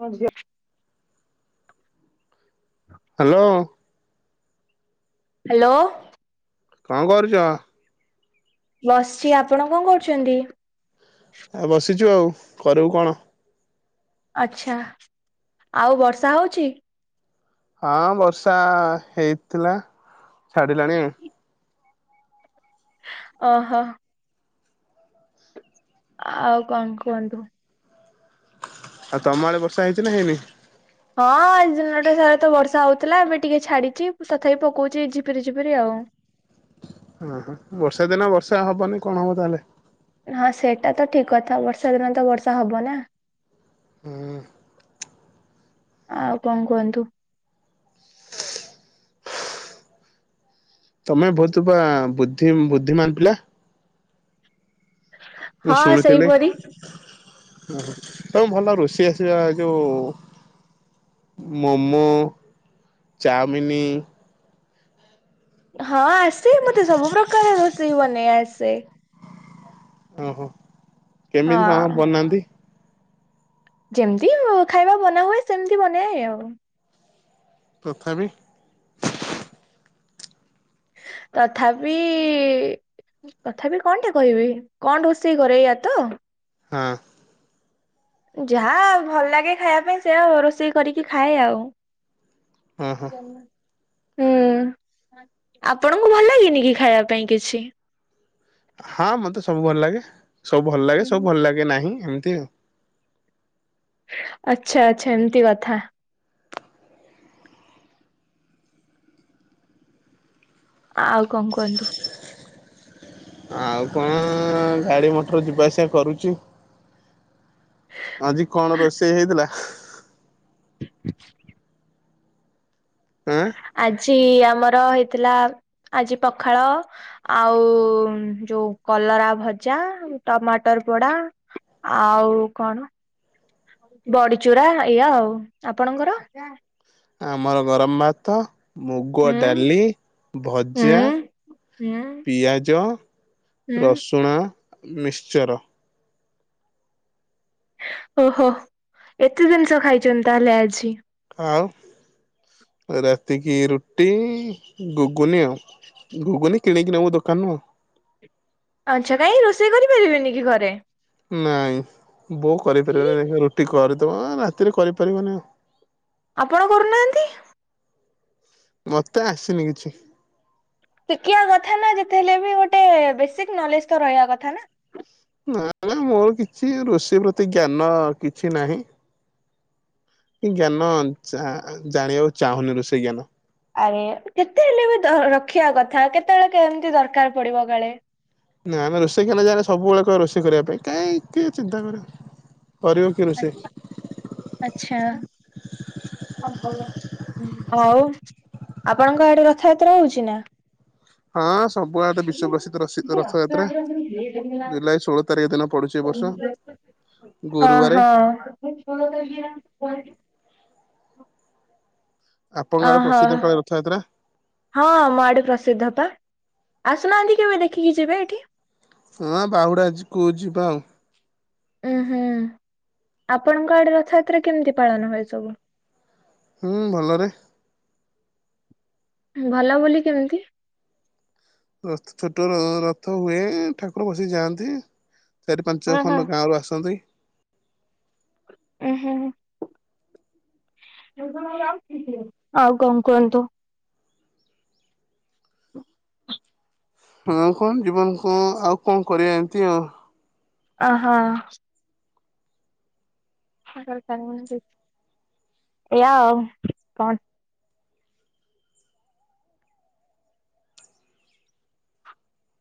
ମୋ ଝିଅ hello. Hello. କଣ କରୁଚ? ବସ୍ଚି, ଆପଣ କଣ କରୁଚନ୍ତି? ଆଉ ବସିଚୁ ଆଉ କରିବୁ କଣ। ଆଚ୍ଛା, ଆଉ ବର୍ଷା ହଉଚି? ହଁ ବର୍ଷା ହେଇଥିଲା ଛାଡ଼ିଲାଣି। ଓହୋ। ଆଉ କଣ କୁହନ୍ତୁ। ଆଉ ତମ ଆଡେ ବର୍ଷା ହେଇଚି ନା ହେଇନି? ହଁ ଆଜି ଦିନଟା ସାରା ତ ବର୍ଷା ହଉଥିଲା ଏବେ ଟିକେ ଛାଡିଚି, ତଥାପି ପକୋଉଚି ଝିପିରି-ଝିପରି ଆଉ। [unintelligible] ବର୍ଷା ଦିନ ବର୍ଷା ହେବନି କଣ ହବ ତାହେଲେ। ହଁ ସେଇଟା ତ ଠିକ କଥା ବର୍ଷା ଦିନ ତ ବର୍ଷା ହବ ନା। ହୁଁ। ଆଉ କଣ କୁହନ୍ତୁ। ତମେ ବହୁତ ପା ବୁଦ୍ଧି ବୁଦ୍ଧିମାନ ପିଲା। ମୁଁ ହଁ ଶୁଣିଥିଲି ସେଇପରି ଉହୁଁ ତମକୁ ଭଲ ରୋଷେଇ ଆସେ ବା ଏଇ ଯୋଉ ମୋମୋ ଚାଉମିନ। ହଁ ଆସେ ମତେ ସବୁ ପ୍ରକାର ରୋଷେଇ ବନେଇ ଆସେ। ଓହୋ କେମିତି କଣ ହଁ ବନାନ୍ତି। ଯେମିତି ଖାଇବା ବନା ହୁଏ ସେମିତି ବନାଏ ଆଉ। ତଥାବି। ତଥାବି। ତଥାପି କଣ ଟେ କହିବି କଣ ରୋଷେଇ କରେ ଏଇୟଆ ତ। ହଁ। ଯାହା ଭଲ ଲାଗେ ଖାଇବା ପାଇଁ ସେଆ ରୋଷେଇ କରିକି ଖାଏ ଆଉ। ଓହୋ ଜନମା। ହୁଁ ଆପଣଙ୍କୁ ଭଲ ଲାଗେନି କି ଖାଇବା ପାଇଁ କିଛି। ହଁ ମତେ ସବୁ ଭଲ ଲାଗେ ସବୁ ଭଲ ଲାଗେ ସବୁ ଭଲ ଲାଗେ ନାହିଁ ଏମିତି ଆଉ। ଆଚ୍ଛା ଆଚ୍ଛା ଏମିତି କଥା। ଆଉ କଣ କୁହନ୍ତୁ? ଆଉ କଣ ଗାଡି ମଟର ଯିବା ଆସିବା କରୁଛି। ଆଜି କଣ ରୋଷେଇ ହେଇଥିଲା? ଆଁ ଆଜି ଆମର ହେଇଥିଲା ଆଜି ପଖାଳ ଆଉ ଯୋଉ କଲରା ଭଜା ଟମାଟର ପୋଡା। ଆଉ କଣ। ବଡିଚୁରା ଏଇଆ ଆଉ ଆପଣଙ୍କର। ଆମର ଗରମ ଭାତ ମୁଗ ହୁଁ ଡାଲି, ହୁଁ ଭଜା, ହୁଁ ପିଆଜ ହୁଁ ରସୁଣ ମିକ୍ସଚର। ଓହୋ ଏତେ ଜିନିଷ ଖାଇଛନ୍ତି ତାହେଲେ ଆଜି। ଆଉ ରାତିକି ରୁଟି ଗୁଗୁନି ଆଉ। ଘୁଗୁନି କିଣିକି ନବୁ ଦୋକାନରୁ। ଆଚ୍ଛା କାହିଁ ରୋଷେଇ କରିପାରିବେନି କି ଘରେ। ନାଇଁ ବୋଉ କି କରିପାରିବନି ରୁଟି କରି ଦବ ରାତିରେ କରିପାରିବନି ଆଉ। ଆପଣ କରୁନାହାନ୍ତି। ମତେ ଆସିନି କିଛି। ଶିଖିବା କଥା ନା ଯେତେ ହେଲେ ବି ଗୋଟେ ବେସିକ ନଲେଜ ତ ରହିବା କଥା ନା। ନା ନା ମୋର କିଛି ରୋସେଇ ପ୍ରତି ଜ୍ଞାନ କିଛି ନାହିଁ। [inaudible] ଏ ଜ୍ଞାନ ଜାଣିବାକୁ ଚାହୁଁନି ରୋଷେଇ ଜ୍ଞାନ। ଆରେ କେତେ ହେଲେ ବି ରଖିବା କଥା କେତେବେଳେ କେମିତି ଦରକାର ପଡିବ କାଳେ। ନା ଆମେ ରୋଷେଇ କଲେ ଯାଲେ ସବୁବେଳେ କହ ରୋଷେଇ କରିବା ପାଇଁ କାହିଁକି ଚିନ୍ତା କରିବ କର। ଆଚ୍ଛା। ହଉ ଆପଣଙ୍କ ଆଡେ ରଥଯାତ୍ରା ହଉଛି ନା। ହଁ ସବୁଆଟେ ବିଶ୍ଵପ୍ରସିଦ୍ଧ ରଥଯାତ୍ରା। ଜୁଲାଇ ଷୋହଳ ତାରିଖ ଦିନ ପଡୁଛି ଏ ବର୍ଷ ଗୁରୁବାର। ମୁଁ ଷୋଳ ତାରିକରେ ୟାଙ୍କୁ କହିବି। ଆପଣଙ୍କ ଆଡ଼େ ଓହୋ ପ୍ରସିଦ୍ଧ କାଳେ ରଥଯାତ୍ରା। ହଁ ଆମ ଆଡେ ପ୍ରସିଦ୍ଧ ପା ଆସୁନାହାନ୍ତି କେବେ ଦେଖିକି ଯିବେ ଏଠି। ହଁ ବାହୁଡ଼ାଅଛିକୁଉ ଯିବା ଆଉ। ଉଁ ହୁଁ ଆପଣଙ୍କ ଆଡେ ରଥଯାତ୍ରା କେମିତି ପାଳନ ହୁଏ ସବୁ। ହୁଁ ଭଲରେ ଭଲ ବୋଲି କେମିତି। ରଥ ଛୋଟ ରଥ ହୁଏ ଠାକୁର ବସି ଯାଆନ୍ତି। ଚାରି ପାଞ୍ଚ ଉଁ ହୁଁ ଖଣ୍ଡ ଗାଁରୁ ଆସନ୍ତି। ଉଁ ହୁ ଆଉ କଣ କହିବ। ହଁ କଣ ଜୀବନକୁ ଆଉ କଣ କରିବା ଏମିତି ଆଉ। ଅହ। [unintelligible] ଏଆ ଆଉ କଣ?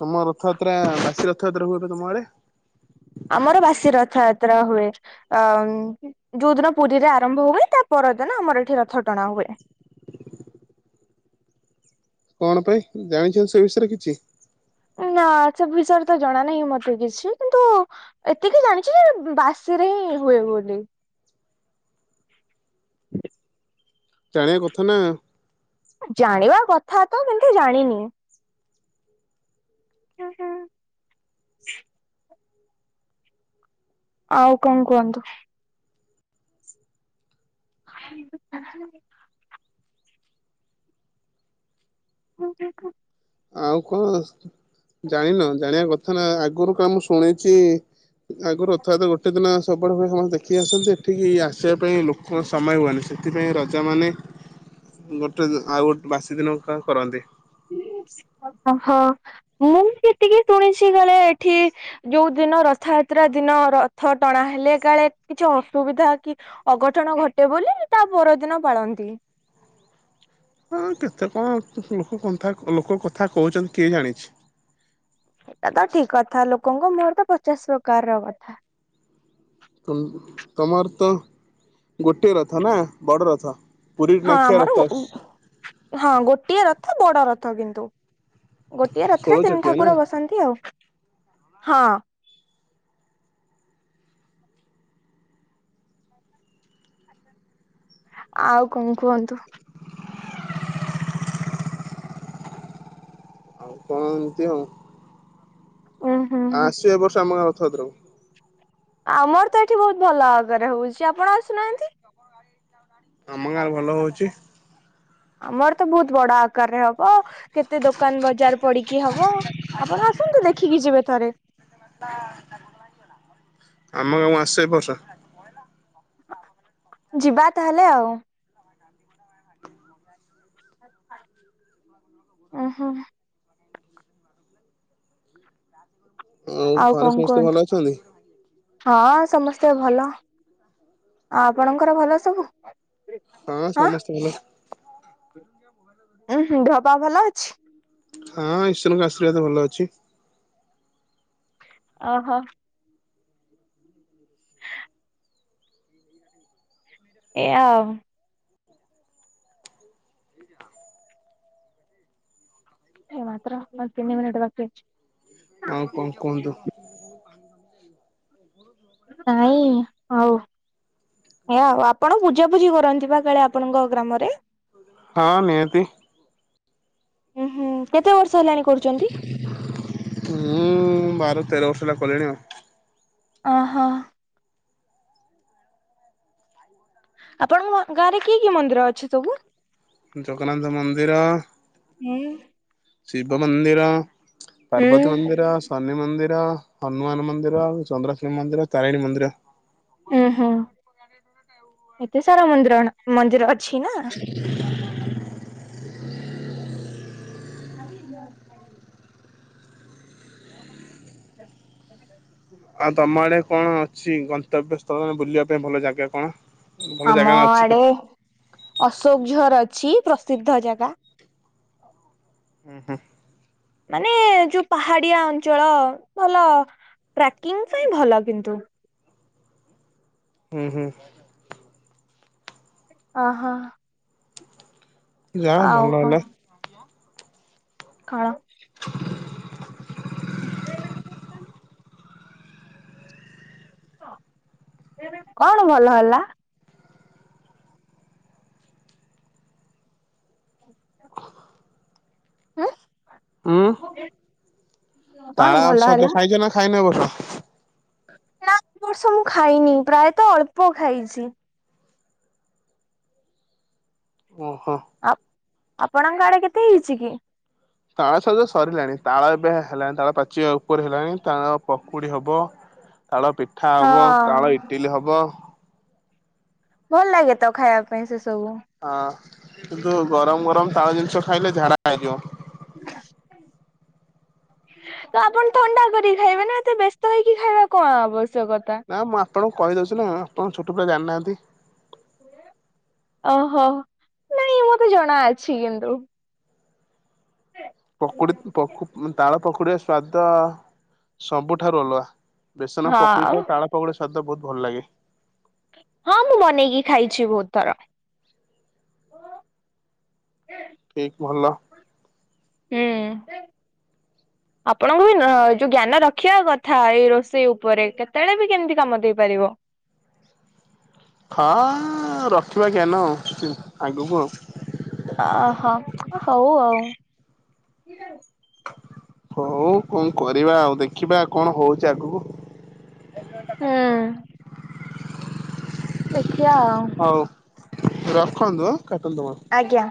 ତମ ରଥଯାତ୍ରା ବାସୀ ରଥଯାତ୍ରା ହୁଏ ପା ତମ ଆଡେ। ଆମର ବାସି ରଥଯାତ୍ରା ହୁଏ ଅ ଯୋଉ ଦିନ ପୁରୀରେ ଆରମ୍ଭ ହୁଏ ତା ପରଦିନ ଆମର ଏଠି ରଥ ଟଣା ହୁଏ। କଣ ପାଇଁ ଜାଣିଛନ୍ତି ସେ ବିଷୟରେ କିଛି? ନା ସେ ବିଷୟରେ ତ ଜଣା ନାହିଁ ମତେ କିଛି କିନ୍ତୁ ଏତିକି ଜାଣିଛି ବାସିରେ ହିଁ ହୁଏ ବୋଲି। [inaudible] ଜାଣିବା କଥା ନା। ଜାଣିବା କଥା ତ କିନ୍ତୁ ଜାଣିନି। ହୁଁ ହୁଁ। ଆଉ କଣ କୁହନ୍ତୁ? ଆ [unintelligible] ହଁ ଦେଖୁ [unintelligible] ଆଉ କଣ ଜାଣିନ ଜାଣିବା କଥା ନା ଆଗରୁ କ ମୁଁ ଶୁଣିଛି ଆଗରୁ ରଥଯାତ୍ରାଗୋଟେ ଦିନ ସବୁଡେ ମୁଁ ଦେଖି ଆସୁଛିଏଠିକି ଆସିବା ପାଇଁୋକ କଣ ସମୟ ହୁଏନି ସେଥିପାଇଁ ର। ପଚାମାନେ ଗୋଟେ ଆଉ ଗୋଟେ ବାସି ଦିନ କରନ୍ତି। ହଁ ମୁଁ କେତିକି ଶୁଣିଛି କାଳେ ଏଠି। ଯୋଉ ଦିନ ରଥଯାତ୍ରା ଦିନ ରଥ ଟଣା ହେଲେ କାଳେ କିଛି ଅସୁବିଧା କି। ଅଘଟଣ ଘଟେ ବୋଲି ତା ପରଦିନ ପାଳନ୍ତି। ହଁ କେତେ କଣ ଲୋକ କ ଲୋକ କଥା କହୁଛନ୍ତି କିଏ ଜାଣିଛି। ଏ ତ ଠିକ କଥା ଲୋକଙ୍କ ମୁହରେ ତ ପଚାଶ ପ୍ରକାର ର କଥା। ତମର ତ ଗୋଟେ ରଥ ନା ବଡ ରଥ। ପୁରୀ ନ ହଁ ଖ ର ଆମର ଗୋ [unintelligible] ହଁ ଗୋଟିଏ ରଥ ବଡ ରଥ କିନ୍ତୁ ଗୋଟିଏ ଷୋଳ ରଥରେ ତିନି ଚକିଆ ନା ଠାକୁର ବସନ୍ତି। ହଁ ଆଉ କଣ କୁହନ୍ତୁ? ଆଉ କଣ ଏମିତି ଆଉ। ଉୁଁ ହୁଁ ହୁଁ ଆସିବ ଏ ବର୍ଷ ଆମ ଗାଁ ରଥଯାତ୍ରାକୁ। ଆମର ତ ଏଠି ବହୁତ ଭଲ ଭାବରେହଉଛି ଆପଣ ସିନା ଏମିତି। ଆମ ଗାଁରେ ଭଲ ହଉଛି। ଆମର ତ ବହୁତ ବଡ ଆ କାରରେ ହବ କେତେ ଦୋକାନ ବଜାର ପଡିକି ହବ ଆପଣ ଆସନ୍ତୁ ଦେଖିକି ଯିବେ ଥରେ। ଆମ ଗାଁକୁ ଆସ ଏ ବର୍ଷ। ଯିବା ତାହେଲେ ଆଉ। ଉଁ ହୁଁ। ଉଁ ଆଉ କଣ କୁହନ୍ତୁ? ହଁ ସମସ୍ତେ ଭଲ ଆ ଆପଣଙ୍କର ଭଲ ସବୁ? ହଁ ସମସ୍ତେ ଭଲ ଉଁ ହୁଁ ଦେହ ପା ଭଲ ଅଛି? ହଁ ଈଶ୍ୱରଙ୍କ ଆଶୀର୍ବାଦ ରୁ ଭଲ ଅଛି। ଓହ। [inaudible] ଏଆ ଓହ। ଏଇ ମାତ୍ର ହଁ ତିନି ମିନିଟ୍ ବାକି ଅଛି। ଆଉ କଣ କୁହନ୍ତୁ? ନାଇଁ ହଉ। ଏଆ ଉ, ଆପଣ ପୂଜାପୁଜିି କରନ୍ତି ବା କାଳେ ଆପଣଙ୍କ ଗ୍ରାମରେ? ହଁ ନିଆତି। ଉଁ ହୁଁ କେତେ ବର୍ଷ ହେଲାଣି କରୁ ଉଁ ବାର ତେର ବର୍ଷ ହେଲା କଲିଣି ଆଉ। ଓହ। ଆପଣ ଗ ଗାଁ ରେ କି କି ମନ୍ଦିର ଅଛି ସବୁ? ଜଗନ୍ନାଥ ମନ୍ଦିର। ହୁଁ। ଶିବ ମନ୍ଦିର, ହୁଁ ପାର୍ବତୀ ମନ୍ଦିର। ଶନି ମନ୍ଦିର, ହନୁମାନ ମନ୍ଦିର, ଚନ୍ଦ୍ରଶେଣ ମନ୍ଦିର, ତାରିଣୀ ମନ୍ଦିର। ଉଁ ହୁଁ ଏତେ ସାରା ମନ୍ଦିରଣ ମନ୍ଦିର ଅଛି ନା? [inaudible] [unintelligible] ଆଉ ତମ ଆଡେ କଣ ଅଛି ଗନ୍ତବ୍ୟ ସ୍ଥଳ ଆ ବୁଲିବା ପାଇଁ ଭଲ ଜାଗା କଣ? ଭଲ ଆମ ଜାଗା ଅଛି ତ ଆଡେ ଅଶୋକଝର୍ ଅଛି ପ୍ରସିଦ୍ଧ ଜାଗା। ଉଁ ହୁଁ। ମାନେ ଯୋଉ ପାହାଡିଆ ଅଞ୍ଚଳ ଭଲ ପ୍ରାକିଂ ପାଇଁ ଭଲ କିନ୍ତୁ। ଉଁ ହୁଁ। ଅହ। ଯା ହଉ ଭଲ ହେଲା। ଖଣ। [inaudible] [unintelligible] କଣ ଭଲ ହେଲା? ଉଁ। ଉଁ। [unintelligible] କଣ ତାଳ ଭଲ ସଜ ହେଲା ଖାଇଛ ନା ଖାଇନ ଏ ବର୍ଷ? ନା ବର୍ଷ ମୁଁ ଖାଇନି ପ୍ରାୟତଃ ଅଳ୍ପ ଖାଇଛି। ଓହୋ। ଆ -ଆପଣଙ୍କ ଆଡେ କେତେ ହେଇଛି କି? ତାଳ ଶବଦ ସରିଲାଣି ତାଳ ଏବେ ହେଲାଣି ତାଳ ପାଚିବା ଉପରେ ହେଲାଣି ତାଳ ପକୁଡି ହବ ତାଳ ପିଠା ହଁ ହବ ତାଳ ଇଡିଲେ ହବ। ଭଲ ଲାଗେ ତ ଖାଇବା ପାଇଁ ସେ ସବୁ। ହଁ କିନ୍ତୁ ଗରମ ଗରମ ତାଳ ଜିନିଷ ଖାଇଲେ ଝାଡ଼ା ଲାଗିବ। ହ ତ ଆପଣ ଥଣ୍ଡା କରିକି ଖାଇବେ ନା ଏତେ ବ୍ୟସ୍ତ ହେଇକି ଖାଇବା କଣ ଆବଶ୍ୟକତା। ନା ମୁଁ ଆପଣଙ୍କୁ କହିଦେଉଛି ନା ଆପଣ ଛୋଟ ପିଲା ଜାଣିନାହାନ୍ତି। ଓହୋ ନାଇଁ ମୁଁ ତେ ଜଣା ଅଛି କିନ୍ତୁ। ପକୁଡି ତାଳ ପକୁଡିର ସ୍ଵାଦ ସବୁଠାରୁ ଅଲଗା। ବେସନ ହଁ ପକୋଡ଼ି ତାଳ ପକୋଡି ସଵାଦ ବହୁତ ଭଲ ଲାଗେ। ହଁ ମୁଁ ବନେଇକି ଖାଇଛି ବହୁତ ଥର। ଠିକ ଭଲ। ହୁଁ ଆପଣଙ୍କୁ ବି ଯୋଉ ଜ୍ଞାନ ରଖିବା କଥା ଏଇ ରୋଷେଇ ଉପରେ କେତେବେଳେ ବି କେମିତି କାମ ଦେଇପାରିବ ହଁ ରଖିବାଜ୍ଞାାନ ଆଉ ଆଗକୁ ଆଉ। ଅହୋ ହଉ ଆଉ ହଉ କଣ କରିବା ଆଉ ଦେଖିବା କଣ ହଉଛି ଆଗକୁ। ହୁଁ ଦେଖିବା ଆଉ ହଉ ରଖନ୍ତୁ କେତେଳ ଦେବ। ଆଜ୍ଞା।